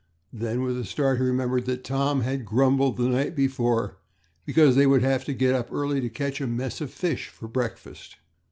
Then, with a start, he remembered that Tom had grumbled the night before because they would have to get up early to catch a mess of fish for breakfast.